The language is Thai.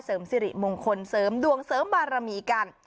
สิริมงคลเสริมดวงเสริมบารมีกัน